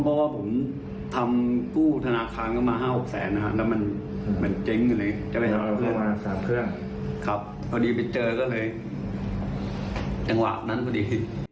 โอเคจังหวะนั้นพอดี